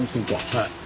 はい。